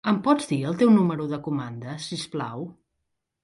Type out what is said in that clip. Em pots dir el teu número de comanda, si us plau?